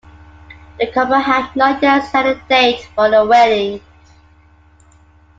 The couple have not yet set a date for the wedding.